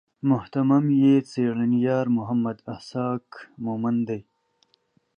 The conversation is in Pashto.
مهتمم یې څېړنیار محمد اسحاق مومند دی.